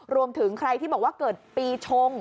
รวมถึงใครที่บอกว่าเกิดปีชง